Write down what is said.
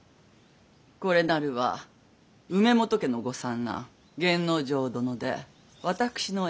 これなるは梅本家の御三男源之丞殿で私の遠戚。